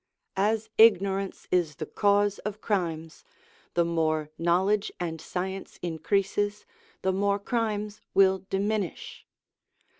As ignorance is the cause of crimes, the more knowledge and science increases, the more crimes will diminish.